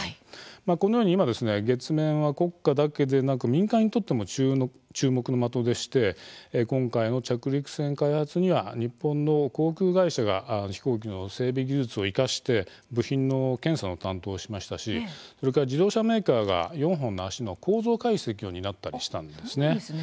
このように今月面は国家だけでなく民間にとっても注目の的でして今回の着陸船開発には日本の航空会社が飛行機の整備技術を生かして部品の検査の担当をしましたしそれから、自動車メーカーが４本の脚の構造解析を担ったりしたんですね。